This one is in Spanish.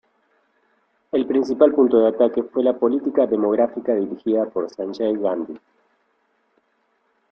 El principal punto de ataque fue la política demográfica dirigida por Sanjay Gandhi.